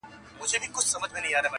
له خپل کوششه نا امیده نه وي,